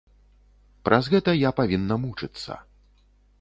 Праз гэта я павінна мучыцца.